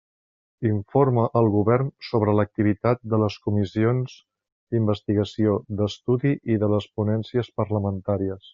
Informa el Govern sobre l'activitat de les comissions d'investigació, d'estudi i de les ponències parlamentàries.